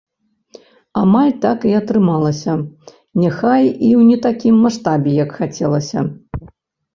Амаль так і атрымалася, няхай і ў не такім маштабе, як хацелася.